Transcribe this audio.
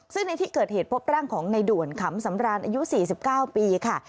ซึ่งในที่เกิดเหตุพบร่างของในด่วนขำสำราญอายุ๔๙ปีค่ะ